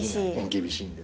厳しいんです。